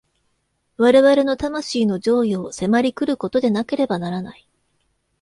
我々の魂の譲与を迫り来ることでなければならない。